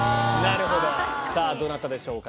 さぁどなたでしょうか？